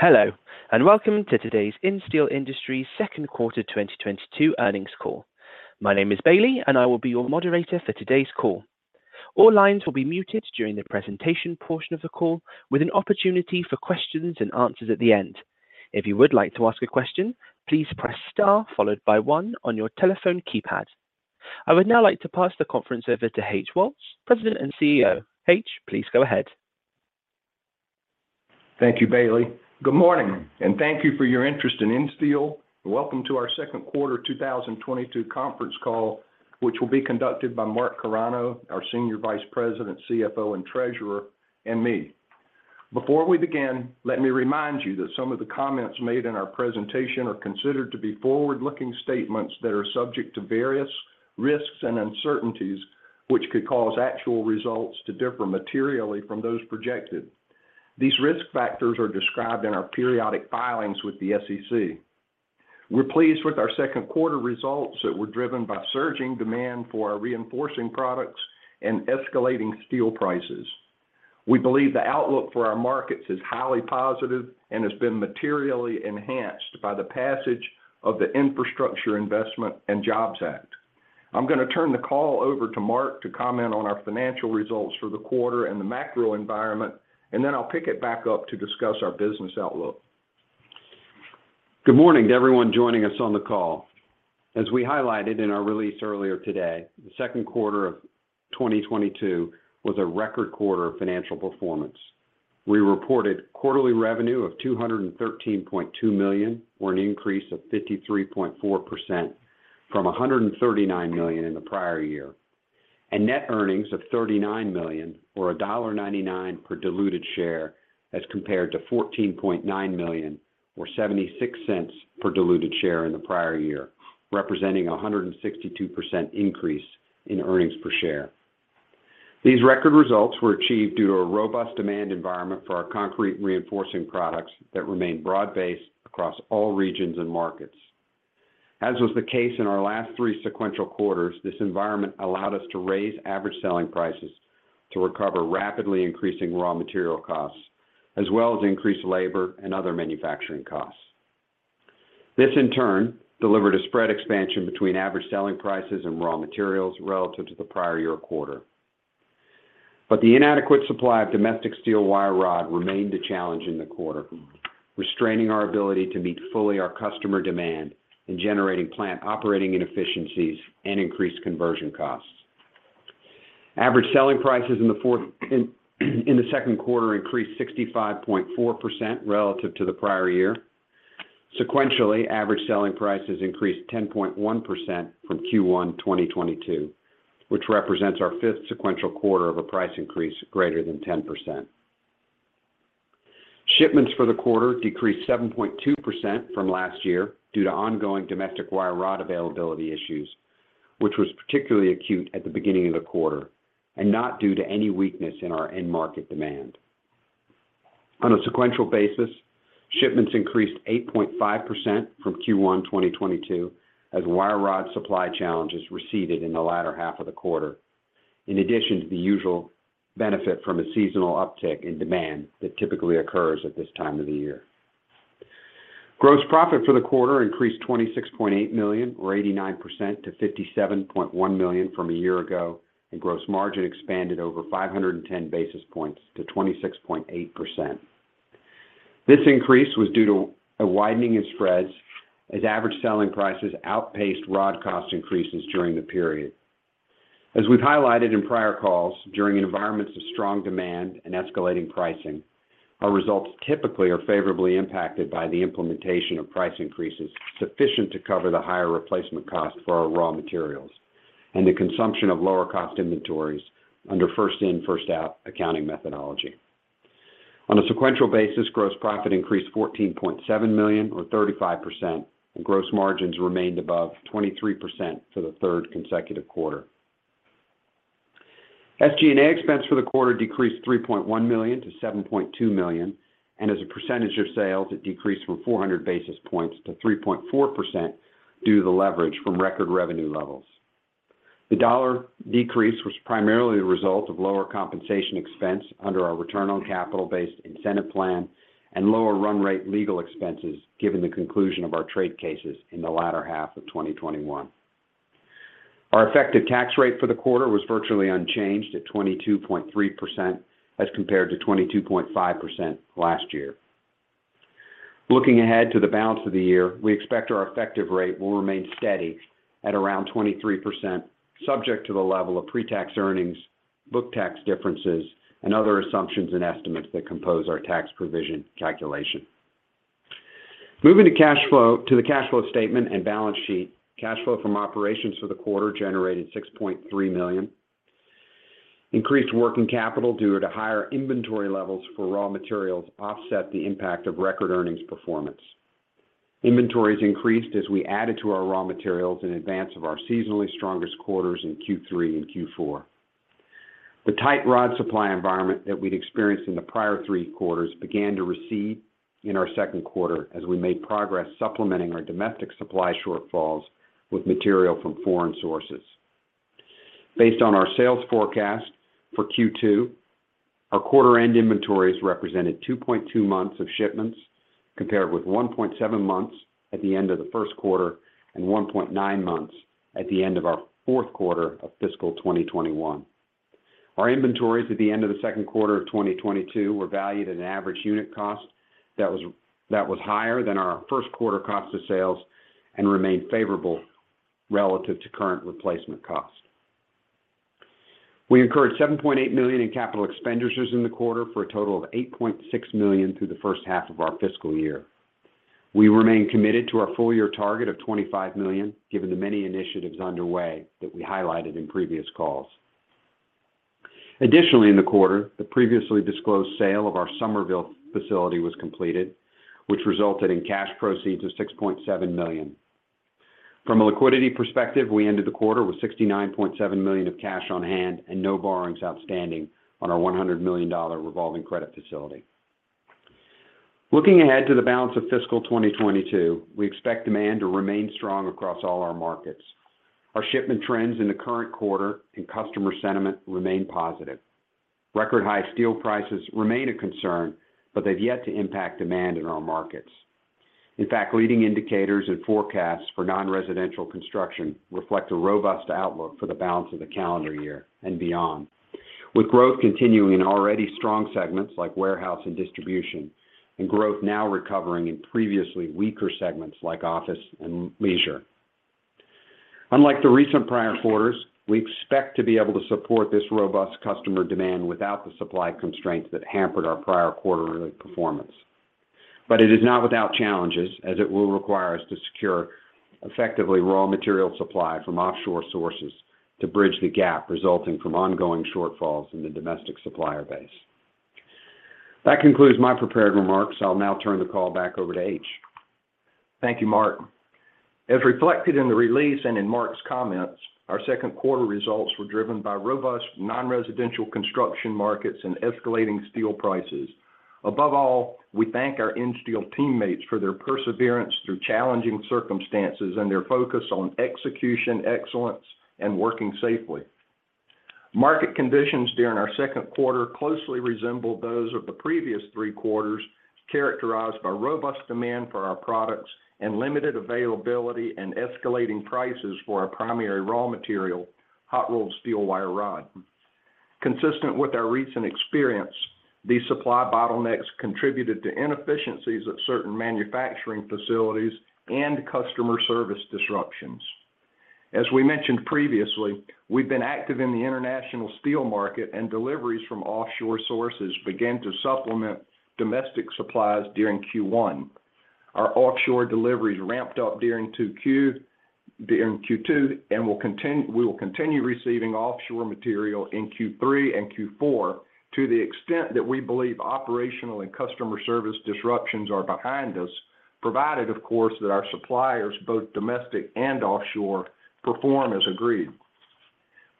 Hello, and welcome to today's Insteel Industries second quarter 2022 Earnings Call. My name is Bailey, and I will be your moderator for today's call. All lines will be muted during the presentation portion of the call with an opportunity for questions and answers at the end. If you would like to ask a question, please press star followed by one on your telephone keypad. I would now like to pass the conference over to H.O. Woltz III, President and CEO. H, please go ahead. Thank you, Bailey. Good morning, and thank you for your interest in Insteel. Welcome to our second quarter 2022 conference call, which will be conducted by Mark A. Carano, our Senior Vice President, CFO, and Treasurer, and me. Before we begin, let me remind you that some of the comments made in our presentation are considered to be forward-looking statements that are subject to various risks and uncertainties, which could cause actual results to differ materially from those projected. These risk factors are described in our periodic filings with the SEC. We're pleased with our second quarter results that were driven by surging demand for our reinforcing products and escalating steel prices. We believe the outlook for our markets is highly positive and has been materially enhanced by the passage of the Infrastructure Investment and Jobs Act. I'm gonna turn the call over to Mark to comment on our financial results for the quarter and the macro environment, and then I'll pick it back up to discuss our business outlook. Good morning to everyone joining us on the call. As we highlighted in our release earlier today, the second quarter of 2022 was a record quarter of financial performance. We reported quarterly revenue of $213.2 million, or an increase of 53.4% from $139 million in the prior year, and net earnings of $39 million or $1.99 per diluted share as compared to $14.9 million or $0.76 cents per diluted share in the prior year, representing a 162% increase in earnings per share. These record results were achieved due to a robust demand environment for our concrete reinforcing products that remain broad-based across all regions and markets. As was the case in our last three sequential quarters, this environment allowed us to raise average selling prices to recover rapidly increasing raw material costs, as well as increased labor and other manufacturing costs. This, in turn, delivered a spread expansion between average selling prices and raw materials relative to the prior year quarter. The inadequate supply of domestic steel wire rod remained a challenge in the quarter, restraining our ability to meet fully our customer demand and generating plant operating inefficiencies and increased conversion costs. Average selling prices in the second quarter increased 65.4% relative to the prior year. Sequentially, average selling prices increased 10.1% from Q1 2022, which represents our fifth sequential quarter of a price increase greater than 10%. Shipments for the quarter decreased 7.2% from last year due to ongoing domestic wire rod availability issues, which was particularly acute at the beginning of the quarter and not due to any weakness in our end market demand. On a sequential basis, shipments increased 8.5% from Q1 2022 as wire rod supply challenges receded in the latter half of the quarter, in addition to the usual benefit from a seasonal uptick in demand that typically occurs at this time of the year. Gross profit for the quarter increased $26.8 million or 89% to $57.1 million from aS year ago, and gross margin expanded over 510 basis points to 26.8%. This increase was due to a widening in spreads as average selling prices outpaced rod cost increases during the period. As we've highlighted in prior calls, during environments of strong demand and escalating pricing, our results typically are favorably impacted by the implementation of price increases sufficient to cover the higher replacement cost for our raw materials and the consumption of lower cost inventories under first in, first out accounting methodology. On a sequential basis, gross profit increased $14.7 million or 35%, and gross margins remained above 23% for the third consecutive quarter. SG&A expense for the quarter decreased $3.1 million to $7.2 million, and as a percentage of sales, it decreased from 400 basis points to 3.4% due to the leverage from record revenue levels. The dollar decrease was primarily the result of lower compensation expense under our return on capital incentive plan and lower run rate legal expenses given the conclusion of our trade cases in the latter half of 2021. Our effective tax rate for the quarter was virtually unchanged at 22.3% as compared to 22.5% last year. Looking ahead to the balance of the year, we expect our effective rate will remain steady at around 23% subject to the level of pre-tax earnings, book tax differences, and other assumptions and estimates that compose our tax provision calculation. Moving to the cash flow statement and balance sheet, cash flow from operations for the quarter generated $6.3 million. Increased working capital due to higher inventory levels for raw materials offset the impact of record earnings performance. Inventories increased as we added to our raw materials in advance of our seasonally strongest quarters in Q3 and Q4. The tight rod supply environment that we'd experienced in the prior three quarters began to recede in our second quarter as we made progress supplementing our domestic supply shortfalls with material from foreign sources. Based on our sales forecast for Q2, our quarter end inventories represented 2.2 months of shipments compared with 1.7 months at the end of the first quarter and 1.9 months at the end of our fourth quarter of fiscal 2021. Our inventories at the end of the second quarter of 2022 were valued at an average unit cost that was higher than our first quarter cost of sales and remained favorable relative to current replacement cost. We incurred $7.8 million in capital expenditures in the quarter for a total of $8.6 million through the first half of our fiscal year. We remain committed to our full year target of $25 million, given the many initiatives underway that we highlighted in previous calls. Additionally, in the quarter, the previously disclosed sale of our Summerville facility was completed, which resulted in cash proceeds of $6.7 million. From a liquidity perspective, we ended the quarter with $69.7 million of cash on hand and no borrowings outstanding on our $100 million revolving credit facility. Looking ahead to the balance of fiscal 2022, we expect demand to remain strong across all our markets. Our shipment trends in the current quarter and customer sentiment remain positive. Record high steel prices remain a concern, but they've yet to impact demand in our markets. In fact, leading indicators and forecasts for non-residential construction reflect a robust outlook for the balance of the calendar year and beyond, with growth continuing in already strong segments like warehouse and distribution, and growth now recovering in previously weaker segments like office and leisure. Unlike the recent prior quarters, we expect to be able to support this robust customer demand without the supply constraints that hampered our prior quarterly performance. It is not without challenges as it will require us to secure effectively raw material supply from offshore sources to bridge the gap resulting from ongoing shortfalls in the domestic supplier base. That concludes my prepared remarks. I'll now turn the call back over to H. Thank you, Mark. As reflected in the release and in Mark's comments, our second quarter results were driven by robust non-residential construction markets and escalating steel prices. Above all, we thank our Insteel teammates for their perseverance through challenging circumstances and their focus on execution, excellence, and working safely. Market conditions during our second quarter closely resembled those of the previous three quarters, characterized by robust demand for our products and limited availability and escalating prices for our primary raw material, hot-rolled steel wire rod. Consistent with our recent experience, these supply bottlenecks contributed to inefficiencies at certain manufacturing facilities and customer service disruptions. As we mentioned previously, we've been active in the international steel market, and deliveries from offshore sources began to supplement domestic supplies during Q1. Our offshore deliveries ramped up during Q2, and we will continue receiving offshore material in Q3 and Q4 to the extent that we believe operational and customer service disruptions are behind us, provided, of course, that our suppliers, both domestic and offshore, perform as agreed.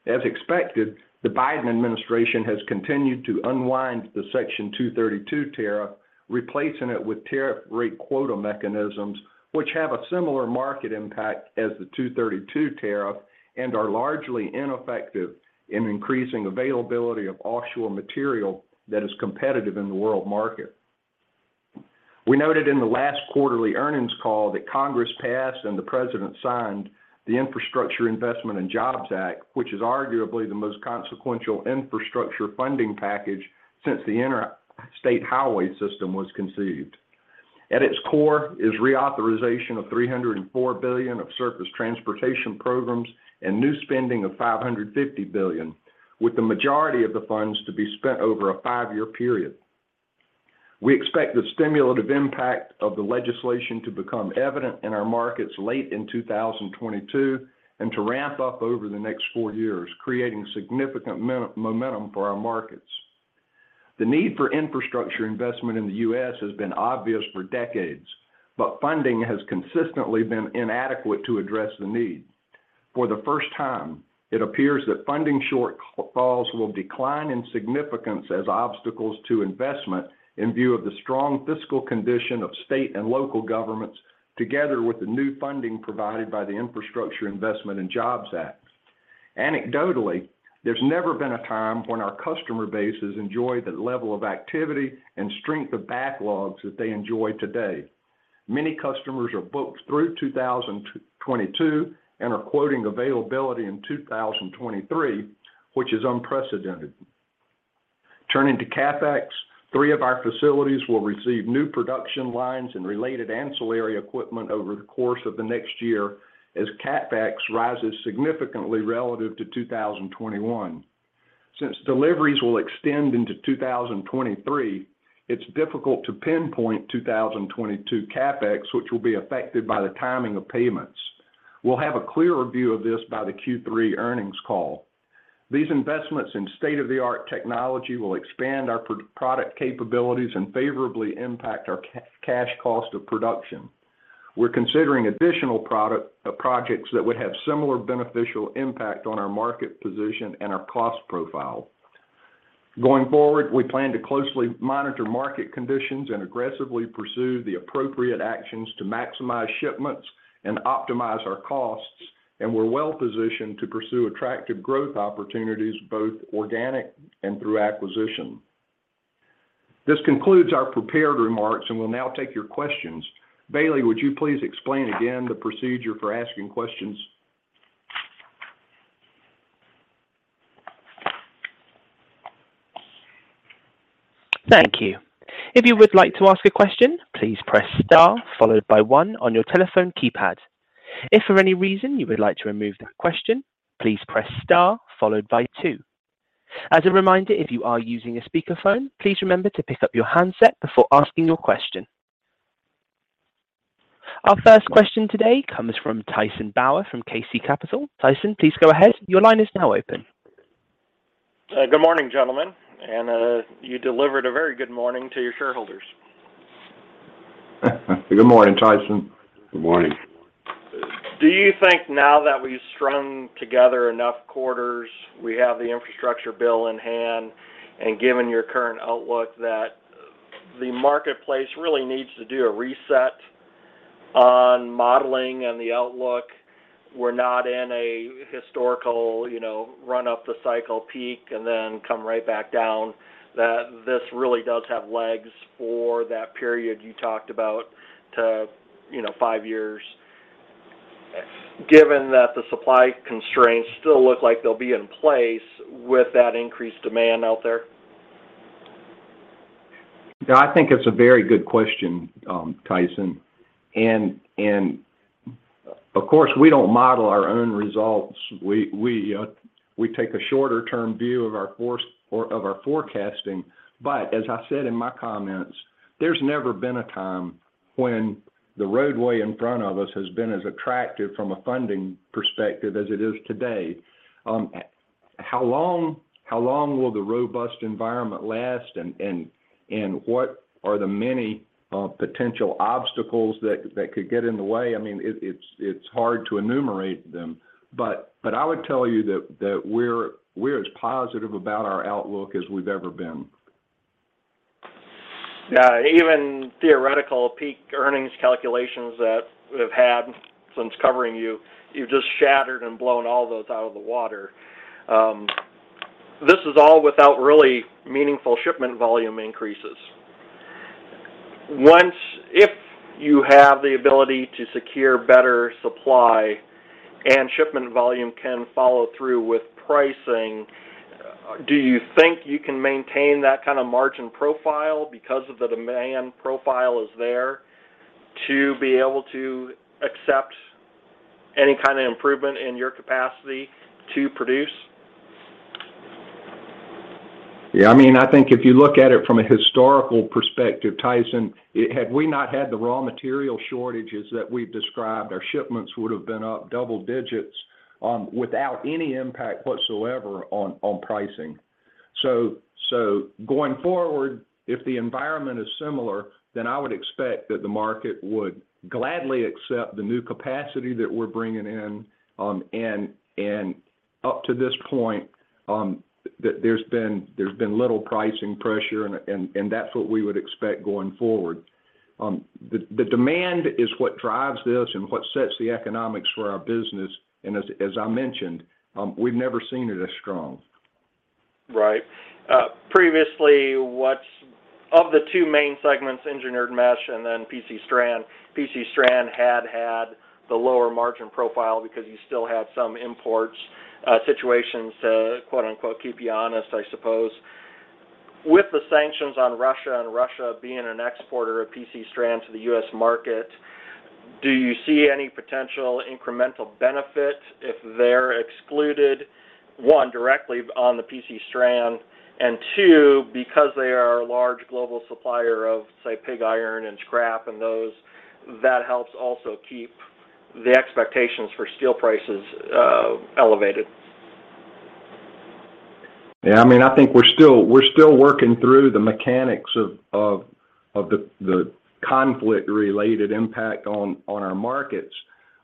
As expected, the Biden administration has continued to unwind the Section 232 tariff, replacing it with tariff-rate quota mechanisms, which have a similar market impact as the 232 tariff and are largely ineffective in increasing availability of offshore material that is competitive in the world market. We noted in the last quarterly earnings call that Congress passed and the president signed the Infrastructure Investment and Jobs Act, which is arguably the most consequential infrastructure funding package since the Interstate Highway System was conceived. At its core is reauthorization of $304 billion of surface transportation programs and new spending of $550 billion, with the majority of the funds to be spent over a five-year period. We expect the stimulative impact of the legislation to become evident in our markets late in 2022 and to ramp up over the next four years, creating significant momentum for our markets. The need for infrastructure investment in the U.S. has been obvious for decades, but funding has consistently been inadequate to address the need. For the first time, it appears that funding shortfalls will decline in significance as obstacles to investment in view of the strong fiscal condition of state and local governments together with the new funding provided by the Infrastructure Investment and Jobs Act. Anecdotally, there's never been a time when our customer base has enjoyed the level of activity and strength of backlogs that they enjoy today. Many customers are booked through 2022 and are quoting availability in 2023, which is unprecedented. Turning to CapEx, three of our facilities will receive new production lines and related ancillary equipment over the course of the next year as CapEx rises significantly relative to 2021. Since deliveries will extend into 2023, it's difficult to pinpoint 2022 CapEx, which will be affected by the timing of payments. We'll have a clearer view of this by the Q3 earnings call. These investments in state-of-the-art technology will expand our product capabilities and favorably impact our cash cost of production. We're considering additional projects that would have similar beneficial impact on our market position and our cost profile. Going forward, we plan to closely monitor market conditions and aggressively pursue the appropriate actions to maximize shipments and optimize our costs. We're well-positioned to pursue attractive growth opportunities, both organic and through acquisition. This concludes our prepared remarks, and we'll now take your questions. Bailey, would you please explain again the procedure for asking questions? Thank you. If you would like to ask a question, please press star followed by one on your telephone keypad. If for any reason you would like to remove the question, please press star followed by two. As a reminder, if you are using a speakerphone, please remember to pick up your handset before asking your question. Our first question today comes from Tyson Bauer from KC Capital. Tyson, please go ahead. Your line is now open. Good morning, gentlemen. You delivered a very good morning to your shareholders. Good morning, Tyson. Good morning. Do you think now that we've strung together enough quarters, we have the infrastructure bill in hand, and given your current outlook, that the marketplace really needs to do a reset on modeling and the outlook? We're not in a historical, you know, run up the cycle peak and then come right back down, that this really does have legs for that period you talked about to, you know, five years, given that the supply constraints still look like they'll be in place with that increased demand out there. Yeah, I think it's a very good question, Tyson. Of course, we don't model our own results. We take a shorter-term view of our forecasting. As I said in my comments, there's never been a time when the roadway in front of us has been as attractive from a funding perspective as it is today. How long will the robust environment last and what are the many potential obstacles that could get in the way? I mean, it's hard to enumerate them. I would tell you that we're as positive about our outlook as we've ever been. Yeah. Even theoretical peak earnings calculations that we've had since covering you've just shattered and blown all those out of the water. This is all without really meaningful shipment volume increases. If you have the ability to secure better supply and shipment volume can follow through with pricing, do you think you can maintain that kind of margin profile because of the demand profile is there to be able to accept any kind of improvement in your capacity to produce? Yeah, I mean, I think if you look at it from a historical perspective, Tyson, had we not had the raw material shortages that we've described, our shipments would have been up double digits without any impact whatsoever on pricing. Going forward, if the environment is similar, then I would expect that the market would gladly accept the new capacity that we're bringing in. Up to this point, there's been little pricing pressure, and that's what we would expect going forward. The demand is what drives this and what sets the economics for our business. As I mentioned, we've never seen it as strong. Right. Previously, of the two main segments, engineered mesh and then PC strand, PC strand had the lower margin profile because you still had some imports situations to, quote-unquote, "keep you honest," I suppose. With the sanctions on Russia and Russia being an exporter of PC strand to the U.S. market, do you see any potential incremental benefit if they're excluded, one, directly on the PC strand, and two, because they are a large global supplier of, say, pig iron and scrap and those, that helps also keep the expectations for steel prices elevated? Yeah, I mean, I think we're still working through the mechanics of the conflict-related impact on our markets.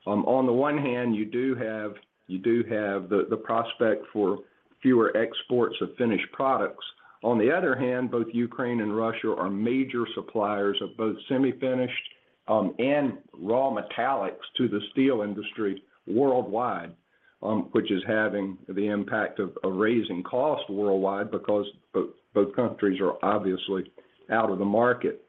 On the one hand, you do have the prospect for fewer exports of finished products. On the other hand, both Ukraine and Russia are major suppliers of both semi-finished and raw metallics to the steel industry worldwide, which is having the impact of raising costs worldwide because both countries are obviously out of the market.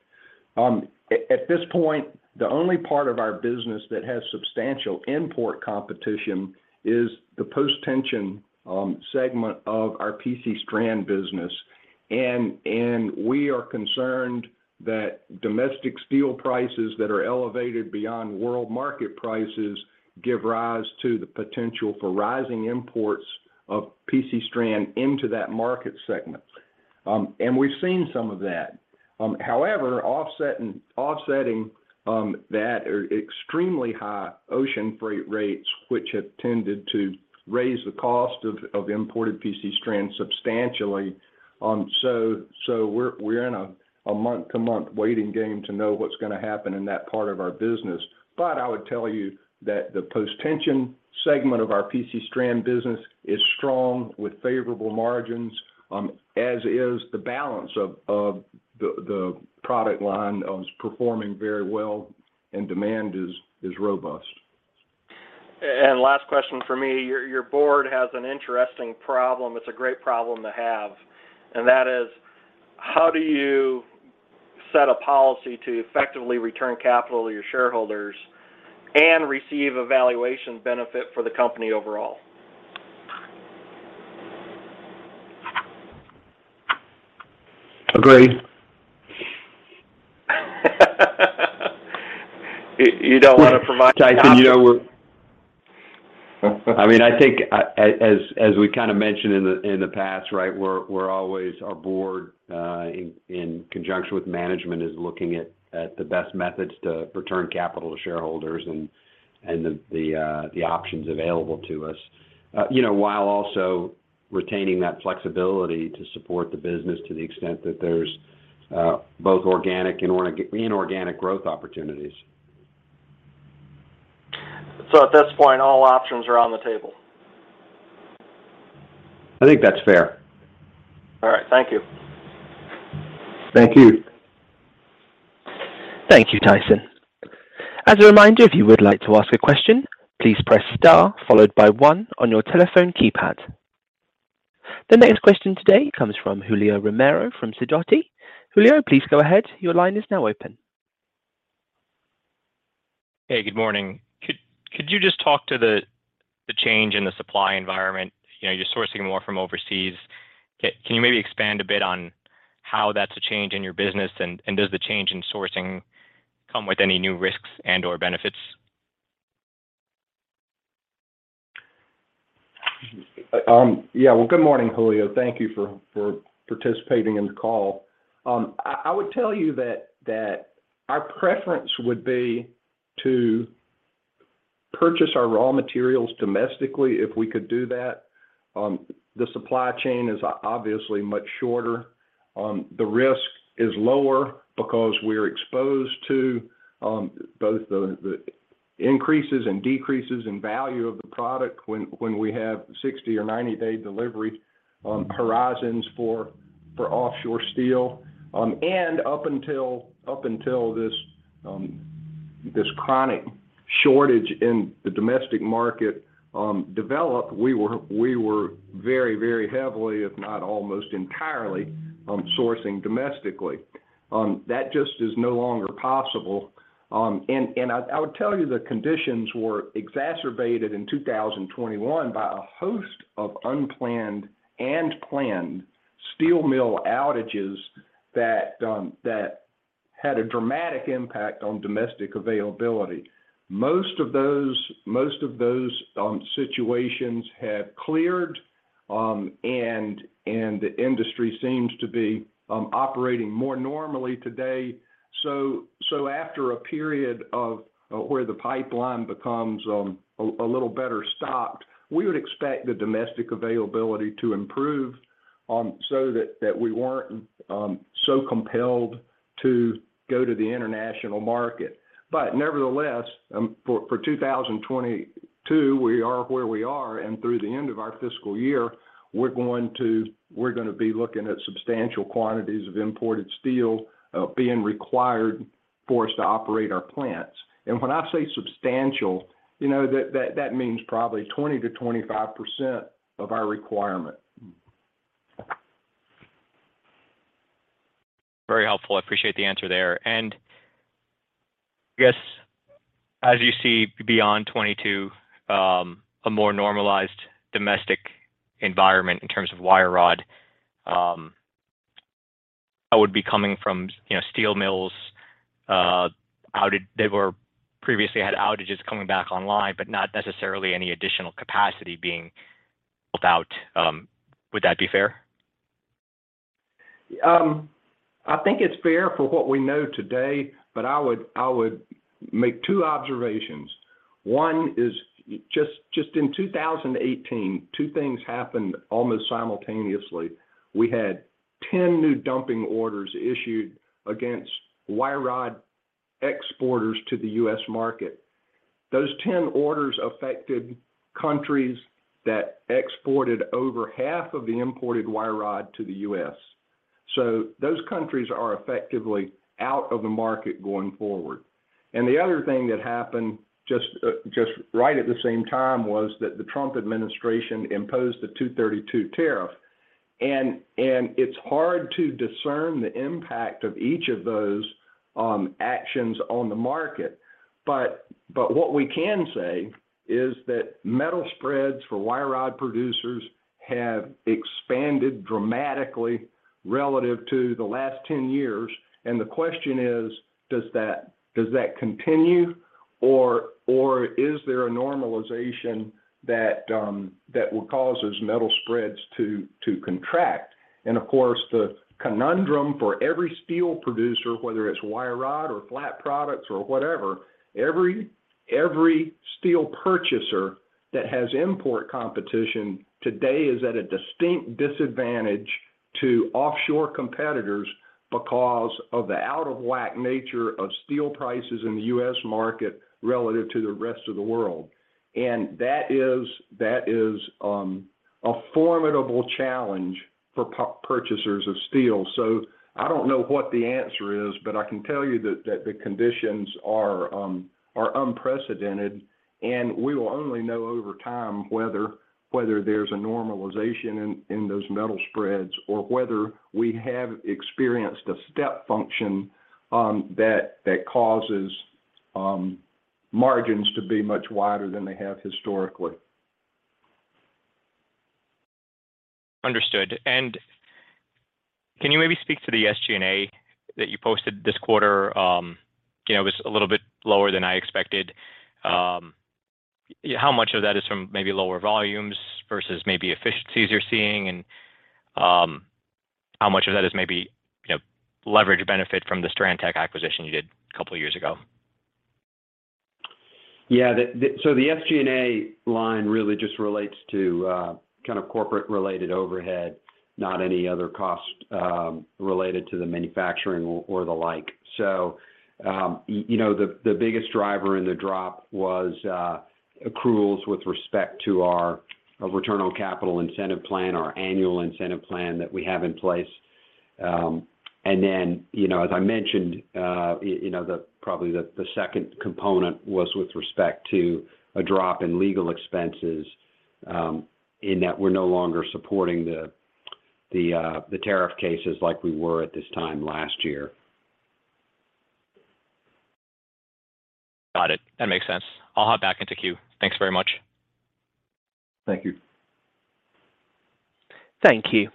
At this point, the only part of our business that has substantial import competition is the post-tension segment of our PC strand business. We are concerned that domestic steel prices that are elevated beyond world market prices give rise to the potential for rising imports of PC strand into that market segment. We've seen some of that. However, offset by the extremely high ocean freight rates, which have tended to raise the cost of imported PC strand substantially. We're in a month-to-month waiting game to know what's gonna happen in that part of our business. I would tell you that the post-tensioning segment of our PC strand business is strong with favorable margins, as is the balance of the product line is performing very well, and demand is robust. Last question for me. Your board has an interesting problem. It's a great problem to have, that is how do you set a policy to effectively return capital to your shareholders and receive a valuation benefit for the company overall? Agreed. You don't wanna provide- Tyson, you know we're I mean, I think as we kind of mentioned in the past, right? We're always. Our board, in conjunction with management, is looking at the best methods to return capital to shareholders and the options available to us, you know, while also retaining that flexibility to support the business to the extent that there's both organic and inorganic growth opportunities. At this point, all options are on the table. I think that's fair. All right. Thank you. Thank you. Thank you, Tyson. As a reminder, if you would like to ask a question, please press star followed by one on your telephone keypad. The next question today comes from Julio Romero from Sidoti. Julio, please go ahead. Your line is now open. Hey, good morning. Could you just talk to the change in the supply environment? You know, you're sourcing more from overseas. Can you maybe expand a bit on how that's a change in your business? Does the change in sourcing come with any new risks and/or benefits? Yeah. Well, good morning, Julio. Thank you for participating in the call. I would tell you that our preference would be to purchase our raw materials domestically if we could do that. The supply chain is obviously much shorter. The risk is lower because we're exposed to both the increases and decreases in value of the product when we have 60- or 90-day delivery horizons for offshore steel. Up until this chronic shortage in the domestic market developed, we were very heavily, if not almost entirely, sourcing domestically. That just is no longer possible. I would tell you the conditions were exacerbated in 2021 by a host of unplanned and planned steel mill outages that had a dramatic impact on domestic availability. Most of those situations have cleared, and the industry seems to be operating more normally today. After a period of where the pipeline becomes a little better stocked, we would expect the domestic availability to improve so that we weren't so compelled to go to the international market. Nevertheless, for 2022, we are where we are. Through the end of our fiscal year, we're going to be looking at substantial quantities of imported steel being required for us to operate our plants. When I say substantial, you know that means probably 20%-25% of our requirement. Very helpful. I appreciate the answer there. I guess as you see beyond 2022, a more normalized domestic environment in terms of wire rod, that would be coming from, you know, steel mills. They previously had outages coming back online, but not necessarily any additional capacity being built out. Would that be fair? I think it's fair for what we know today, but I would make two observations. One is just in 2018, two things happened almost simultaneously. We had 10 new dumping orders issued against wire rod exporters to the U.S. market. Those 10 orders affected countries that exported over half of the imported wire rod to the U.S. Those countries are effectively out of the market going forward. The other thing that happened just right at the same time was that the Trump administration imposed a 232 tariff. It's hard to discern the impact of each of those actions on the market. What we can say is that metal spreads for wire rod producers have expanded dramatically relative to the last 10 years. The question is, does that continue or is there a normalization that will cause those metal spreads to contract? Of course, the conundrum for every steel producer, whether it's wire rod or flat products or whatever, every steel purchaser that has import competition today is at a distinct disadvantage to offshore competitors because of the out-of-whack nature of steel prices in the U.S. market relative to the rest of the world. That is a formidable challenge for purchasers of steel. I don't know what the answer is, but I can tell you that the conditions are unprecedented, and we will only know over time whether there's a normalization in those metal spreads or whether we have experienced a step function that causes margins to be much wider than they have historically. Understood. Can you maybe speak to the SG&A that you posted this quarter, you know, was a little bit lower than I expected. How much of that is from maybe lower volumes versus maybe efficiencies you're seeing and, how much of that is maybe, you know, leverage benefit from the Strand-Tech acquisition you did a couple years ago? Yeah. The SG&A line really just relates to kind of corporate related overhead, not any other cost related to the manufacturing or the like. You know, the biggest driver in the drop was accruals with respect to our return on capital incentive plan, our annual incentive plan that we have in place. You know, as I mentioned, you know, probably the second component was with respect to a drop in legal expenses, in that we're no longer supporting the tariff cases like we were at this time last year. Got it. That makes sense. I'll hop back into queue. Thanks very much. Thank you. Thank you.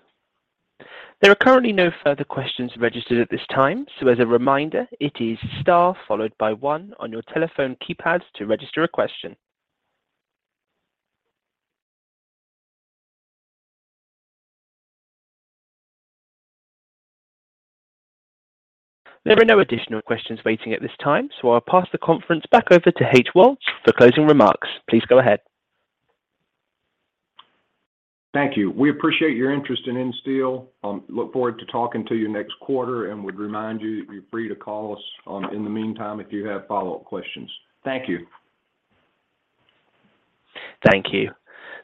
There are currently no further questions registered at this time, so as a reminder, it is star followed by one on your telephone keypads to register a question. There are no additional questions waiting at this time, so I'll pass the conference back over to H. Woltz for closing remarks. Please go ahead. Thank you. We appreciate your interest in Insteel. We look forward to talking to you next quarter and would remind you that you're free to call us, in the meantime if you have follow-up questions. Thank you. Thank you.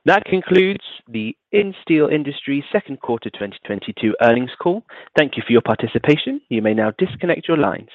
That concludes the Insteel Industries second quarter 2022 earnings call. Thank you for your participation. You may now disconnect your lines.